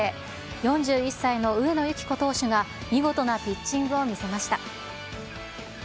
４１歳の上野由岐子投手が、見事なピッチングを見せました。